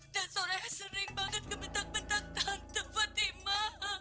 dan soraya sering banget gemetak bentak tante fatima